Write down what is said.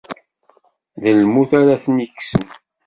D lmut ara ten-ikessen.